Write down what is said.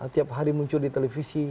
tiap hari muncul di televisi